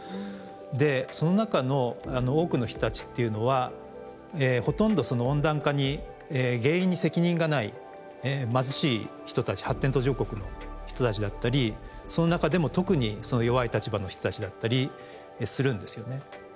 でその中の多くの人たちっていうのはほとんどその温暖化に原因に責任がない貧しい人たち発展途上国の人たちだったりその中でも特に弱い立場の人たちだったりするんですよね。